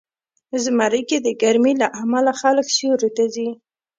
زمری کې د ګرمۍ له امله خلک سیوري ته ځي.